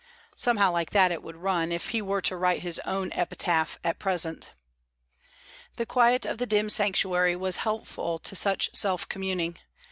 Somehow like that would it run, if he were to write his own epitaph at present. The quiet of the dim sanctuary was helpful to such self communing.